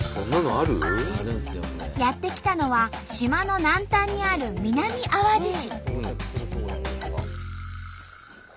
やって来たのは島の南端にある南あわじ市。